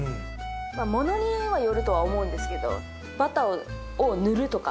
ものにはよるとは思うんですけど。